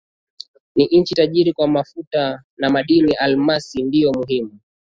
ni nchi tajiri kwa mafuta na madini almasi ndiyo muhimu